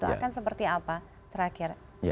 akan seperti apa terakhir